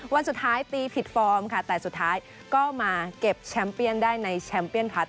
วันสุดท้ายตีผิดฟอร์มค่ะแต่สุดท้ายก็มาเก็บแชมป์เปียนได้ในแชมป์เปียนพัฒน